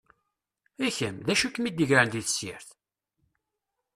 I kem, d acu i kem-id-igren di tessirt?